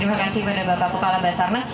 terima kasih kepada bapak kepala basarnas